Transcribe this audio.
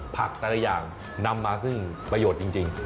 แต่ละอย่างนำมาซึ่งประโยชน์จริง